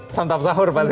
santap sahur pasti